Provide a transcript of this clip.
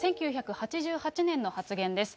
１９８８年の発言です。